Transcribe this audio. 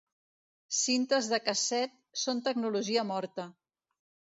Cintes de casset són tecnologia morta.